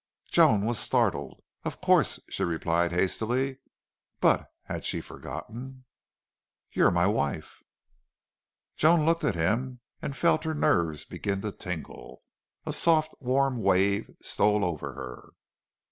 Joan was startled. "Of course," she replied hastily. But had she forgotten? "You're my wife." Joan looked at him and felt her nerves begin to tingle. A soft, warm wave stole over her.